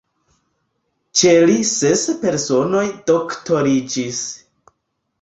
Ĉe li ses personoj doktoriĝis.